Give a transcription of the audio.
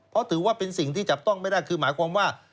เพราะถือว่าเป็นสิ่งที่จับต้องไม่ได้คือหมายความว่า